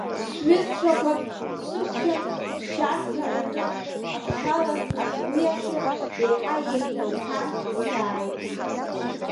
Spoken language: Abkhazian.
Сҩызцәақәак сықәшәан аԥсшьарҭа ҩны Аԥша-лас ахь уиасыр, еиҳа еиӷьуп рҳәан сааит.